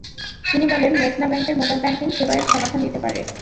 তিনি বলেন, মেঘনা ব্যাংকের মোবাইল ব্যাংকিং সেবা এর সমাধান দিতে পারে।